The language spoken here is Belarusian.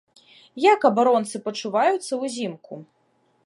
Як абаронцы пачуваюцца ўзімку?